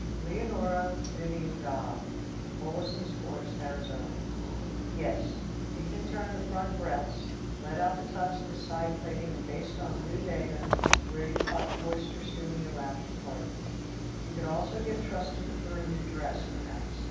Leonora Vivian Gobb, Oleson's Forks, Ariz. Yes. You can turn the front breadths, let out the tucks in the side plaiting and baste on a new dagoon where you caught the oyster stew in your lap at the party. You could also get trusted for a new dress, perhaps.